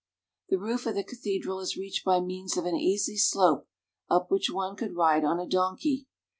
The roof of the cathedral is reached by means of an easy slope, up which one could ride on a donkey.